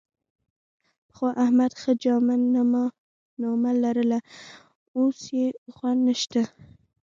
پخوا احمد ښه جامه نامه لرله، خو اوس یې خوند نشته.